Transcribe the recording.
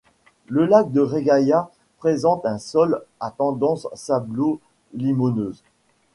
Le lac de Réghaïa présente un sol à tendance sablo-limoneuse.